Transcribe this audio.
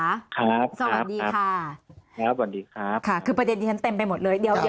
ครับสวัสดีค่ะคือประเด็นที่ฉันเต็มไปหมดเลย